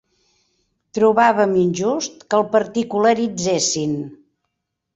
Trobàvem injust que el particularitzessin.